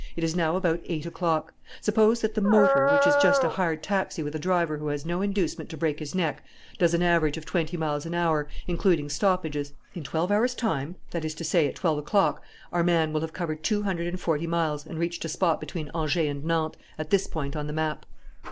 It is now about eight o'clock. Suppose that the motor, which is just a hired taxi with a driver who has no inducement to break his neck, does an average of twenty miles an hour, including stoppages in twelve hours' time that is to say, at twelve o'clock our man will have covered two hundred and forty miles and reached a spot between Angers and Nantes, at this point on the map."